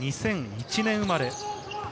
２００１年生まれ。